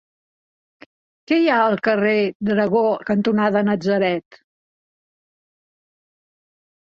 Què hi ha al carrer Dragó cantonada Natzaret?